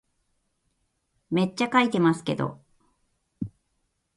めっちゃ書いてますけど